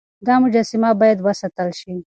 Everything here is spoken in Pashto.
دا مجسمه بايد وساتل شي.